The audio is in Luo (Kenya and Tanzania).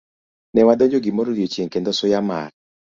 Ne wadonjo gimoro odiechieng' kendo suya mar